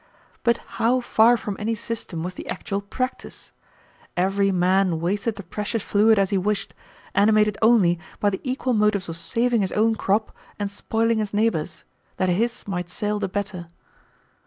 But how far from any system was the actual practice! Every man wasted the precious fluid as he wished, animated only by the equal motives of saving his own crop and spoiling his neighbor's, that his might sell the better.